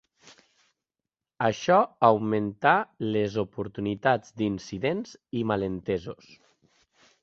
Això augmentà les oportunitats d'incidents i malentesos.